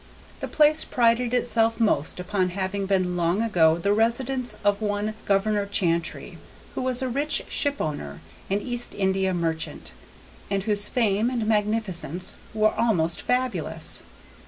The place prided itself most upon having been long ago the residence of one Governor Chantrey, who was a rich shipowner and East India merchant, and whose fame and magnificence were almost fabulous.